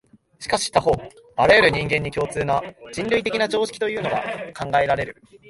しかし他方、あらゆる人間に共通な、人類的な常識というものが考えられる。